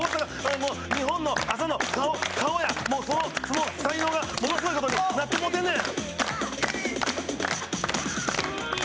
日本の朝の顔や、もうその才能がものすごいことになってもうてんねん！